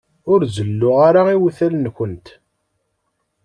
Ur zelluɣ ara iwtal-nkent.